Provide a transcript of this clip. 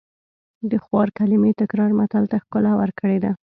د خوار کلمې تکرار متل ته ښکلا ورکړې ده